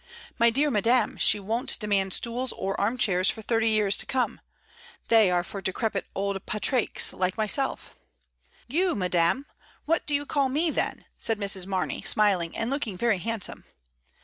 "My dear madame, she won't demand stools or arm chairs for thirty years to come. They are for decrepit old pair agues y like myself." ^^Fouy madame! What do you call me, then?" said Mrs. Mamey, smiling and looking very hand some.